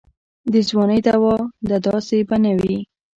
د ځوانۍ دوا دا داسې به نه وي.